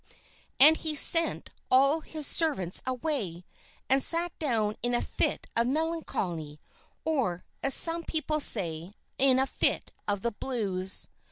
And he sent all his servants away, and sat down in a fit of melancholy; or, as some people say, "in a fit of the blues."